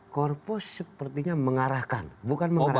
korpose sepertinya mengarahkan bukan mengarahkan